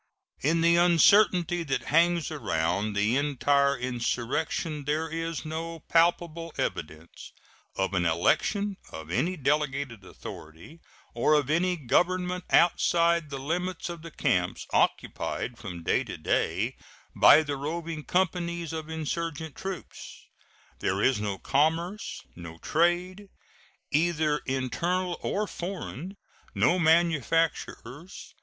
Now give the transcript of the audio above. In the uncertainty that hangs around the entire insurrection there is no palpable evidence of an election, of any delegated authority, or of any government outside the limits of the camps occupied from day to day by the roving companies of insurgent troops; there is no commerce, no trade, either internal or foreign, no manufactures.